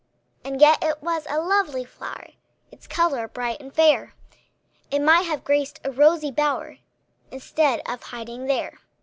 And yet it was a lovely flower, Its color bright and fair; It might have graced a rosy bower Instead of hiding there.